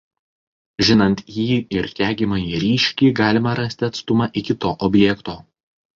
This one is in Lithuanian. Žinant jį ir regimąjį ryškį galima rasti atstumą iki to objekto.